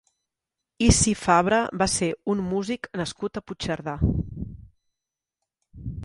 Issi Fabra va ser un músic nascut a Puigcerdà.